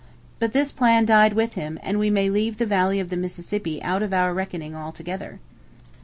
But this plan died with him; and we may leave the valley of the Mississippi out of our reckoning altogether.